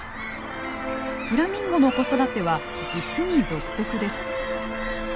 フラミンゴの子育ては実に独特です。